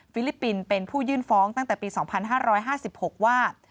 ลิปปินส์เป็นผู้ยื่นฟ้องตั้งแต่ปี๒๕๕๖ว่า